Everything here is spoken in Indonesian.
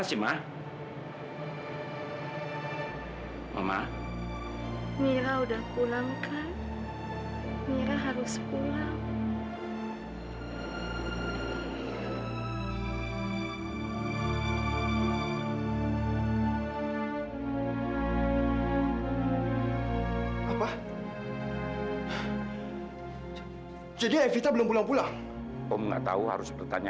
sampai jumpa di video selanjutnya